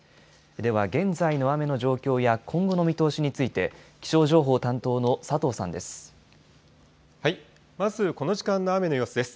では現在の雨の状況や今後の見通しについて気象情報担当の佐藤さんです。